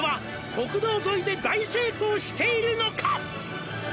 「国道沿いで大成功しているのか」